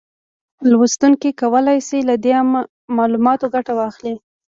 لوستونکي کولای شي له دې معلوماتو ګټه واخلي